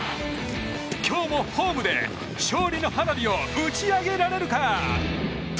今日もホームで勝利の花火を打ち上げられるか？